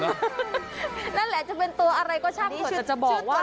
นั่นแหละจะเป็นตัวอะไรก็ช่างหวัง